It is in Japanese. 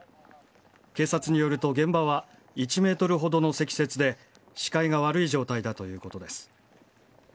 警察によると、現場は１メートルほどの積雪で、視界が悪い状態だということです。